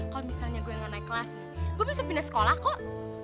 kalau misalnya gue gak naik kelas gue bisa pindah sekolah kok